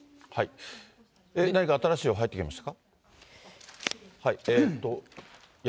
何か新しい情報入ってきましたか。